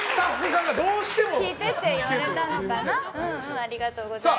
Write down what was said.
ありがとうございます。